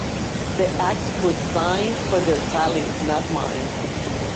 The act was signed for their talent not mine.